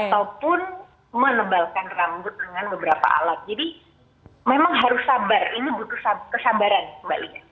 ataupun menebalkan rambut dengan beberapa alat jadi memang harus sabar ini butuh kesabaran mbak lina